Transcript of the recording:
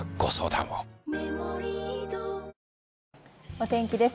お天気です。